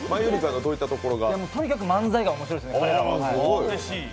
とにかく漫才が面白いですね。